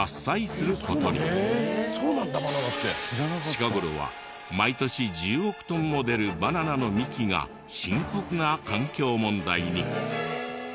近頃は毎年１０億トンも出るバナナの幹が深刻な環境問題に。